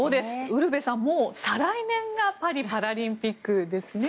ウルヴェさん、もう再来年がパリパラリンピックですね。